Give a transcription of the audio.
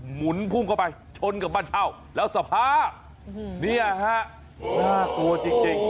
หมุนพุ่งเข้าไปชนกับบ้านเช่าแล้วสภาพเนี่ยฮะน่ากลัวจริง